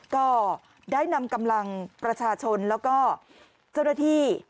ก็ได้นำกำลังประชาชนแล้วก็เจ้าหน้าที่